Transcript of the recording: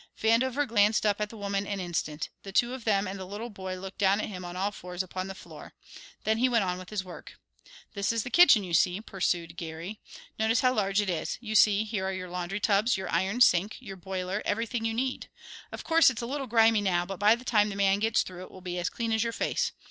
Vandover glanced up at the women an instant. The two of them and the little boy looked down at him on all fours upon the floor. Then he went on with his work. "This is the kitchen, you see," pursued Geary. "Notice how large it is; you see, here are your laundry tubs, your iron sink, your boiler, everything you need. Of course, it's a little grimy now, but by the time the man gets through, it will be as clean as your face.